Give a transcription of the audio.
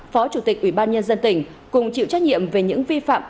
phó chủ tịch ủy ban nhân dân tỉnh cùng chịu trách nhiệm về những vi phạm